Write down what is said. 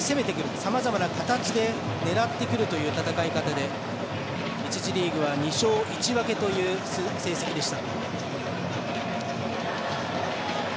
さまざまな形で攻めて狙ってくるという戦い方で、１次リーグは２勝１分という成績でした。